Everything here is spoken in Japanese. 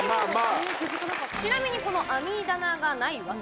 ちなみに、この網棚がない訳。